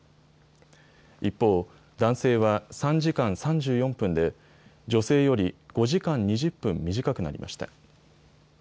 一方、男性は３時間３４分で女性より５時間２０分短くなりました。